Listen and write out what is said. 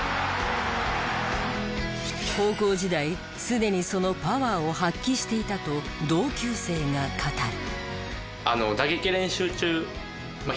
高校時代すでにそのパワーを発揮していたと同級生が語る。